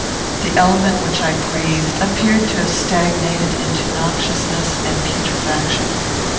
The element which I breathed appeared to have stagnated into noxiousness and putrefaction.